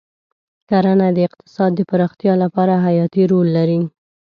کرنه د اقتصاد د پراختیا لپاره حیاتي رول لري.